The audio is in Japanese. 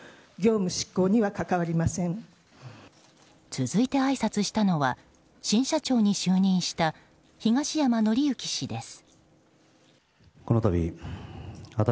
続いてあいさつしたのは新社長に就任した東山紀之氏です。